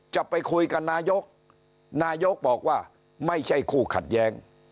จะไปคุยกับนายกนายกบอกว่าไม่ใช่คู่ขัดแย้ง